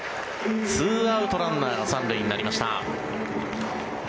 ２アウトランナーが３塁になりました。